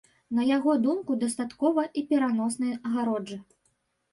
На яго думку, дастаткова і пераноснай агароджы.